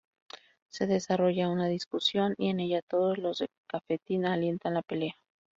Se desarrolla una discusión y en ella todos los del cafetín alientan la pelea.